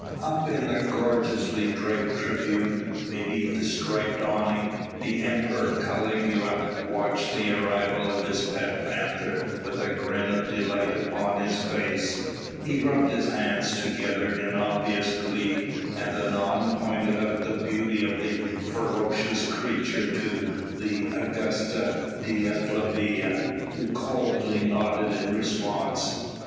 Up in the gorgeously draped tribune, beneath the striped awning, the Emperor Caligula watched the arrival of his pet panther with a grin of delight upon his face. He rubbed his hands together in obvious glee, and anon pointed out the beauty of the ferocious creature to the Augusta Dea Flavia, who coldly nodded in response.